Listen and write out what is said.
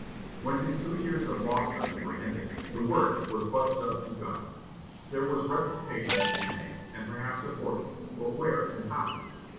When his two years of law study were ended, the work was but just begun. There was reputation to be made, and perhaps a fortune, but where and how?